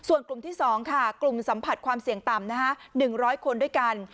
ส่วนกลุ่มที่๒ค่ะกลุ่มสัมผัสความเสี่ยงต่ำ๑๐๐คนด้วยกัน